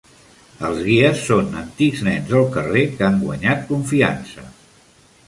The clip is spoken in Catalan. Els guies són antics nens del carrer que han guanyat confiança.